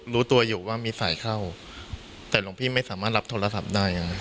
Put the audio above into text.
รู้ตัวอยู่ว่ามีสายเข้าแต่หลวงพี่ไม่สามารถรับโทรศัพท์ได้